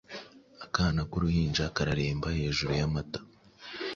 akana k'uruhinja kareremba hejuru y'amata.